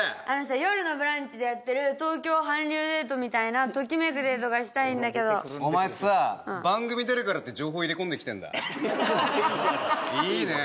「よるのブランチ」でやってる「東京韓流デート」みたいなときめくデートがしたいんだけどお前さ番組出るからって情報入れ込んできてんだいいね！